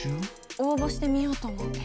応募してみようと思って。